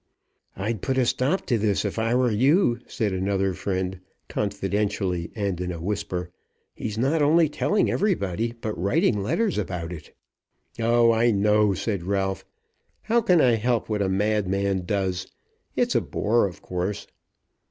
"I'd put a stop to this if I were you," said another friend, confidentially and in a whisper. "He's not only telling everybody, but writing letters about it." "Oh, I know," said Ralph. "How can I help what a madman does? It's a bore of course."